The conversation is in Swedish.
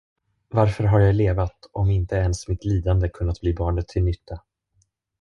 Varför har jag levat, om inte ens mitt lidande kunnat bli barnet till nytta?